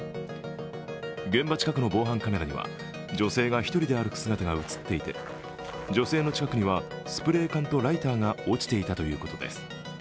現場近くの防犯カメラには女性が１人で歩く姿が映っていて女性の近くにはスプレー缶とライターが落ちていたということです。